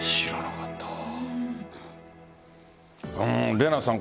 怜奈さん